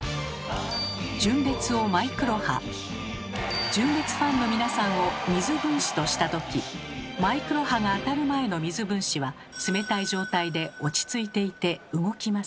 純烈を「マイクロ波」純烈ファンの皆さんを「水分子」とした時マイクロ波が当たる前の水分子は冷たい状態で落ち着いていて動きません。